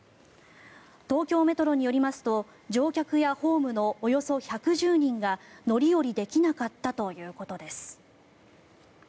東京メトロによりますと乗客やホームのおよそ１１０人が乗り降りできなかったということです。